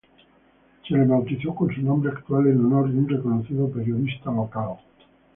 Se le bautizó con su nombre actual en honor de un reconocido periodista local.